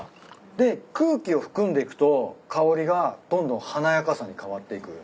で空気を含んでいくと香りがどんどん華やかさに変わっていく。